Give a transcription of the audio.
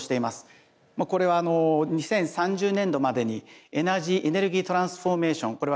まあこれは２０３０年度までにエネルギートランスフォーメーション